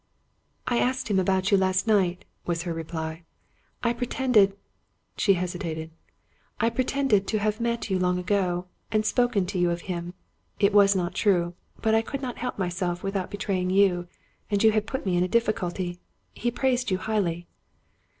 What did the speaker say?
"" I asked him about you last night," was her reply. " I pretended," she hesitated, " I pretended to have met you long ago, and spoken to you of him. It was not true; but I could not help myself without betraying you, and you had put me in a difficulty. He praised you highly."